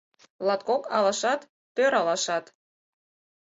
Латкок алашат, тӧр алашат —